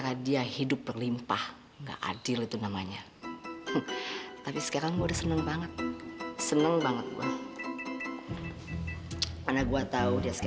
kuping aku kan sakit tau nggak